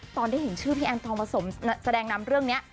ตอนได้เห็นชื่อพี่แอนทองผสมแสดงนำเรื่องนี้